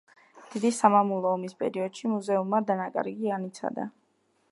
დიდი სამამულო ომის პერიოდში მუზეუმმა დანაკარგი განიცადა.